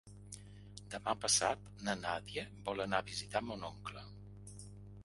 Demà passat na Nàdia vol anar a visitar mon oncle.